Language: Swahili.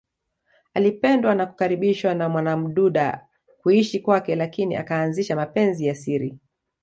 Alipendwa na kukaribishwa na Mwamududa kuishi kwake lakini akaanzisha mapenzi ya siri